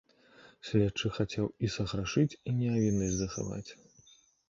Следчы хацеў і саграшыць і нявіннасць захаваць.